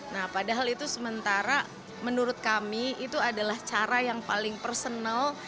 nah padahal itu sementara menurut kami itu adalah cara yang paling personal